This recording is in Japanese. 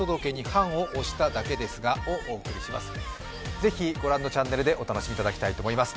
ぜひ御覧のチャンネルでお楽しみいただきたいと思います。